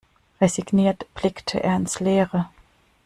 Resigniert blickte er ins Leere.